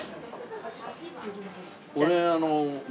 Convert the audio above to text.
俺。